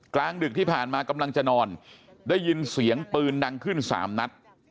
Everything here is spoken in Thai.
กลางดึกที่ผ่านมากำลังจะนอนได้ยินเสียงปืนดังขึ้น๓นัด